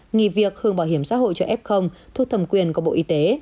nghị việc hưởng bảo hiểm xã hội cho f thuộc thầm quyền của bộ y tế